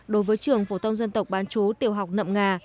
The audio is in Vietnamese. đối với trường phổ thông dân tộc bán chú tiểu học nậm ngà